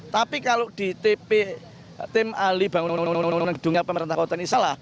tapi kalau di tp tim ahli bangunan gedung pemerintah kota ini salah